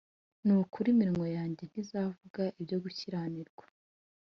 Ni ukuri iminwa yanjye ntizavuga ibyo gukiranirwa